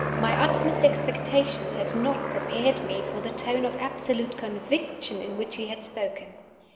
My utmost expectations had not prepared me for the tone of absolute conviction in which he had spoken.